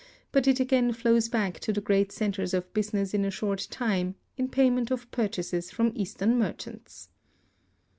but it again flows back to the great centers of business in a short time, in payment of purchases from Eastern merchants.